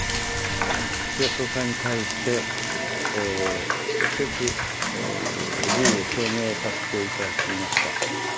岸田総裁に対して、直接辞意を表明をさせていただきました。